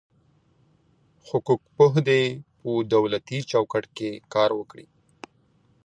حقوق پوه دي په دولتي چوکاټ کي کار وکي.